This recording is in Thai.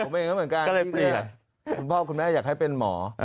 ผมเองก็เหมือนกันคุณพ่อคุณแม่อยากให้เป็นหมอ